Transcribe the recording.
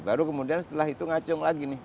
baru kemudian setelah itu ngacung lagi nih